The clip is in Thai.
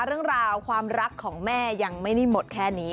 เรื่องราวความรักของแม่ยังไม่ได้หมดแค่นี้